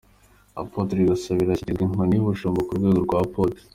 Apotre Gasabira ashyikirizwa inkoni y'ubushumba ku rwego rwa Apotre.